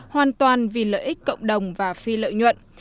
hoàn toàn vì lợi ích cộng đồng và phi lợi nhuận